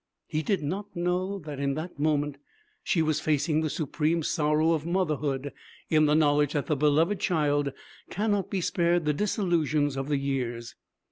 He did not know that, in that moment, she was facing the supreme sorrow of motherhood in the knowledge that the beloved child cannot be spared the disillusions of the years.